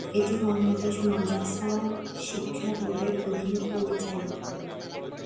এটি বাংলাদেশ মাদ্রাসা শিক্ষা বোর্ডের অধীনে পরিচালিত।